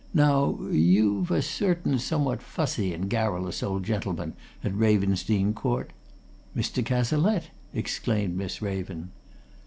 Now you've a certain somewhat fussy and garrulous old gentleman at Ravensdene Court " "Mr. Cazalette!" exclaimed Miss Raven.